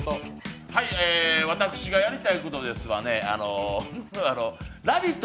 私がやりたいことは「ラヴィット！」